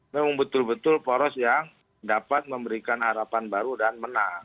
memang betul betul poros yang dapat memberikan harapan baru dan menang